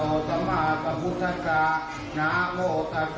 น้าโมตัสตร์น้าโมตัสตร์พระสวัสดิ์โตอาราฮัตโตสัมมาสัมพุทธศาสตร์